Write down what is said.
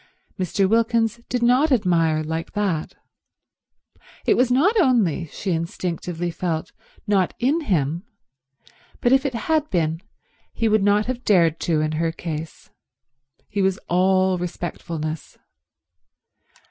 Mr. Wilkins did not admire like that. It was not only, she instinctively felt, not in him, but if it had been he would not have dared to in her case. He was all respectfulness.